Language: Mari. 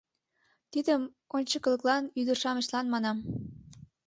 Тидым ончыкылан, ӱдыр-шамычлан, манам.